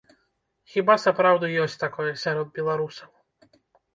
Хіба сапраўды ёсць такое сярод беларусаў.